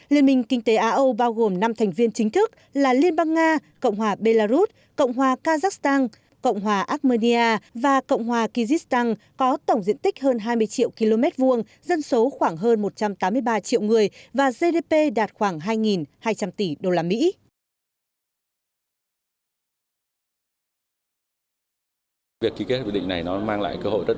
liên minh kinh tế á âu bao gồm năm thành viên chính thức là liên bang nga cộng hòa belarus cộng hòa kazakhstan cộng hòa armenia và cộng hòa kyrgyzstan có tổng diện tích hơn hai mươi triệu km hai dân số khoảng hơn một trăm tám mươi ba triệu người và gdp đạt khoảng hai hai trăm linh tỷ usd